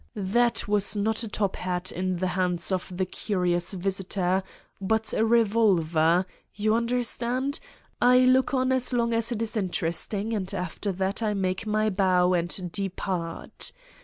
That was not a top hat in the hands of the curious visitor, but a revolver ... you understand : I look on as long as it is interest ing and after that I make my bow and depart.